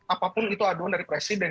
apapun itu aduan dari presiden